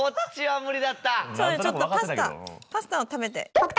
ちょっとパスタパスタを食べて。